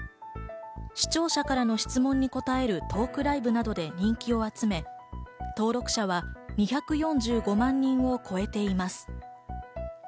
視聴者からの質問に答えるトークライブなどで人気を集め、登録者は２４５万人を超えています。